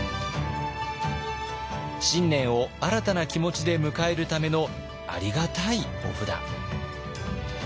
新年を新たな気持ちで迎えるためのありがたいお札。